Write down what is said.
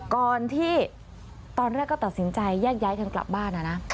ก่อนที่ตอนแรกก็ตัดสินใจแยกย้ายกันกลับบ้านนะ